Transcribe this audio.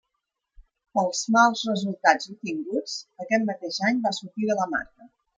Pels mals resultats obtinguts, aquest mateix any va sortir de la marca.